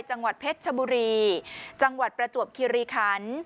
จังหวัดเพชรชบุรีจังหวัดประจวบคิริคัน